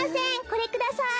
これください。